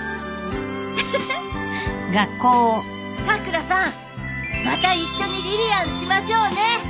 さくらさんまた一緒にリリアンしましょうね！